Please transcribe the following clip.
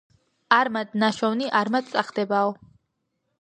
არმად ნაშოვნი არმად წახდებაო